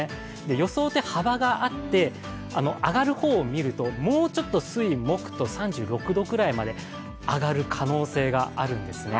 予想って幅があって上がる方を見るともうちょっと水・木と３６度くらいまで上がる可能性があるんですね。